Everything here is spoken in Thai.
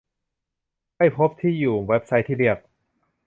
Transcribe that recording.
ไม่พบที่อยู่เว็บไซต์ที่เรียก